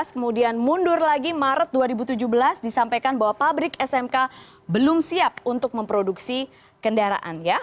kemudian mundur lagi maret dua ribu tujuh belas disampaikan bahwa pabrik smk belum siap untuk memproduksi kendaraan